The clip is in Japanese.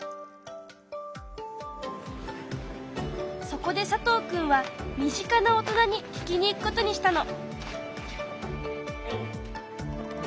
そこで佐藤くんは身近な大人に聞きに行くことにしたの。